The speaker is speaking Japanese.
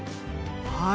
はい。